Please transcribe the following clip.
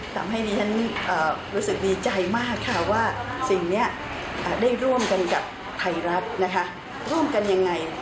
ตามให้ดีฉันรู้สึกดีใจมากค่ะว่า